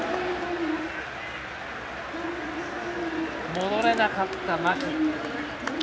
戻れなかった牧。